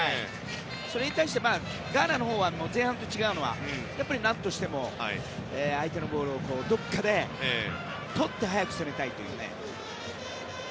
それに対してガーナのほうは前半と違うのは何としても相手のボールをどこかでとって早く攻めたいという。